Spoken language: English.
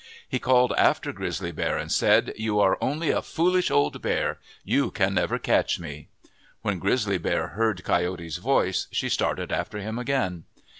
He called after Grizzly Bear and said, " You are only a foolish old bear. You can never catch me." When Grizzly Bear heard Coyote's voice, she started after him again.